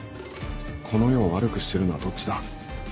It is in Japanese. この世を悪くしてるのはどっちだ。